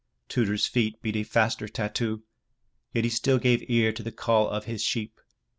Tudur's feet beat a faster tattoo, yet he still gave ear to the call of his sheep.